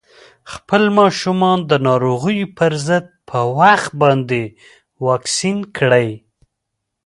خپل ماشومان د ناروغیو پر ضد په وخت باندې واکسین کړئ.